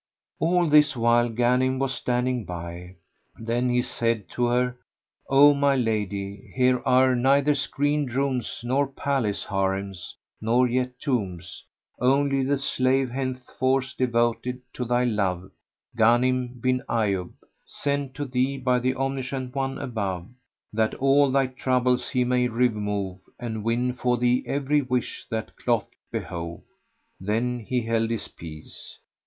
All this while Ghanim was standing by: then he said to her, "O my lady, here are neither screened rooms nor palace Haríms nor yet tombs; only the slave henceforth devoted to thy love, Ghanim bin Ayyub, sent to thee by the Omniscient One above, that all thy troubles He may remove and win for thee every wish that doth behove!" Then he held his peace.